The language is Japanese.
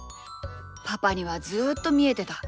パパにはずっとみえてた。